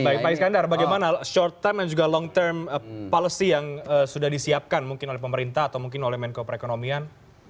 baik pak iskandar bagaimana short time dan juga long term policy yang sudah disiapkan mungkin oleh pemerintah atau mungkin oleh menko perekonomian